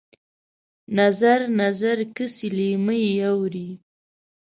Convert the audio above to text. نظر، نظر کسي لېمه یې اورې